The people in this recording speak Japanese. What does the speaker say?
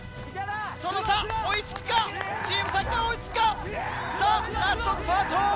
その差追い付くか⁉チームサッカー追い付くか⁉さぁラストスパート！